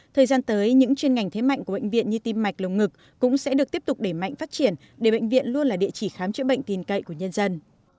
thời gian tới những chuyên ngành thế mạnh của bệnh viện như tim mạch lồng ngực cũng sẽ được tiếp tục để mạnh phát triển để bệnh viện luôn là địa chỉ khám chữa bệnh tin cậy của nhân dân